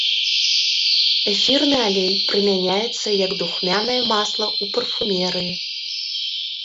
Эфірны алей прымяняецца як духмянае масла ў парфумерыі.